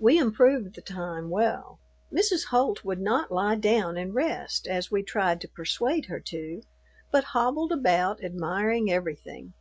We improved the time well. Mrs. Holt would not lie down and rest, as we tried to persuade her to, but hobbled about, admiring everything.